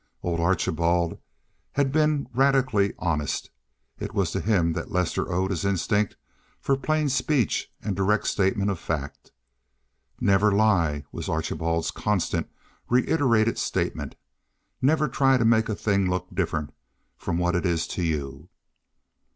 Old Archibald had been radically honest. It was to him that Lester owed his instincts for plain speech and direct statement of fact. "Never lie," was Archibald's constant, reiterated statement. "Never try to make a thing look different from what it is to you.